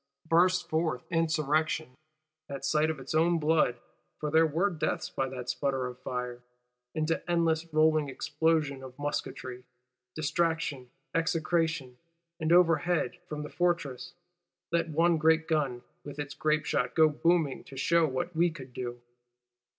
Bursts forth insurrection, at sight of its own blood (for there were deaths by that sputter of fire), into endless rolling explosion of musketry, distraction, execration;—and overhead, from the Fortress, let one great gun, with its grape shot, go booming, to shew what we could do.